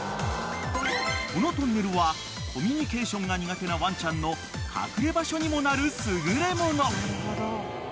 ［このトンネルはコミュニケーションが苦手なワンちゃんの隠れ場所にもなる優れもの］